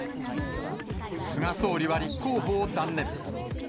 菅総理は立候補を断念。